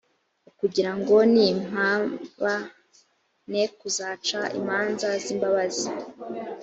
ukugira ngo nimpaba ne kuzaca imanza z imbabazi